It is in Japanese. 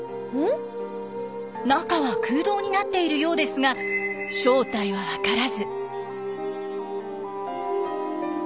中は空洞になっているようですが正体は分からず。